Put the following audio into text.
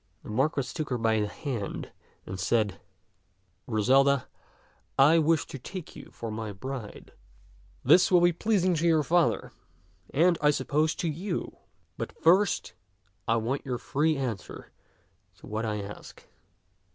The Marquis took her by the hand and said, "Griselda, I wish to take you for my bride. t2i<t Ckxk'B taU 145 This will be pleasing to your father, and, I suppose, to you ; but first I want your free answer to what I ask.